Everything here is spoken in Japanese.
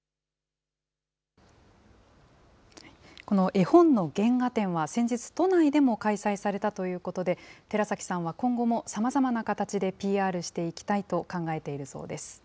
この絵本の原画展は、先日、都内でも開催されたということで、寺崎さんは今後も、さまざまな形でＰＲしていきたいと考えているそうです。